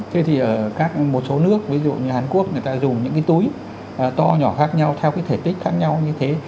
thế thì ở một số nước ví dụ như hàn quốc người ta dùng những cái túi to nhỏ khác nhau theo cái thể tích khác nhau như thế